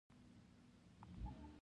مجاهدینو مجاهدین وژل.